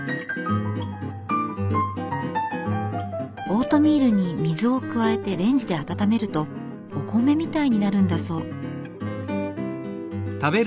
オートミールに水を加えてレンジで温めるとお米みたいになるんだそう。